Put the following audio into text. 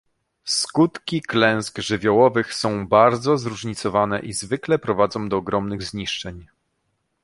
Skutki klęsk żywiołowych są bardzo zróżnicowane i zwykle prowadzą do ogromnych zniszczeń